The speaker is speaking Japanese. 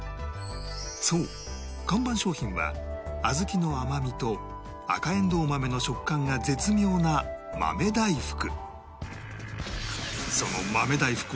そう看板商品は小豆の甘みと赤えんどう豆の食感が絶妙な豆大福